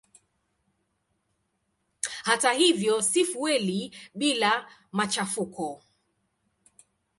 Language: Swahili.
Hata hivyo si fueli bila machafuko.